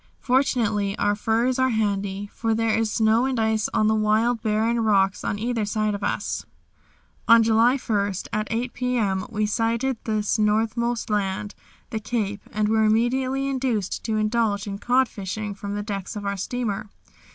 Fortunately our furs are handy, for there is snow and ice on the wild, barren rocks on either side of us. On July 1, at 8 p.m., we sighted this northernmost land, the Cape, and were immediately induced to indulge in cod fishing from the decks of our steamer.